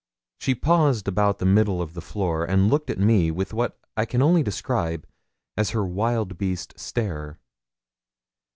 She paused about the middle of the floor, and looked at me with what I can only describe as her wild beast stare.